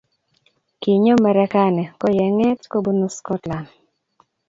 Kinyo Merekani ko ne ng'eta kobunu Scotland